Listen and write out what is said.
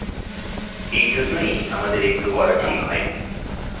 এইজন্যই আমাদের এগুলো করা ঠিক হয়নি।